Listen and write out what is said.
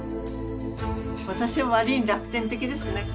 私は割に楽天的ですね。